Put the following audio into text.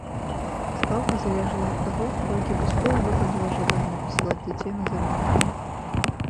Стаўка залежала ад таго, колькі бацькоў выказала жаданне пасылаць дзяцей на заняткі.